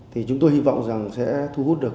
thì chúng tôi hy vọng rằng sẽ thu hút được